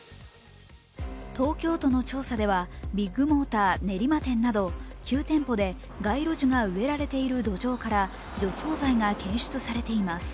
東京都の調査ではビッグモーター練馬店など９店舗で街路樹が植えられている土壌から除草剤が検出されています。